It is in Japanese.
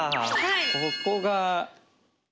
ここが。